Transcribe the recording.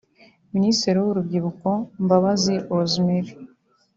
Minisitiri w’Urubyiruko Mbabazi Rosemary